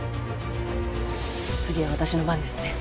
次は私の番ですね。